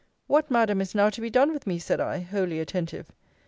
What, Madam, is now to be done with me? said I, wholly attentive.